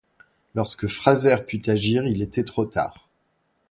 Lorsque Fraser put agir, il était trop tard.